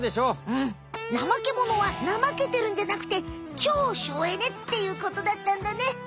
うんナマケモノはなまけてるんじゃなくて超省エネっていうことだったんだね。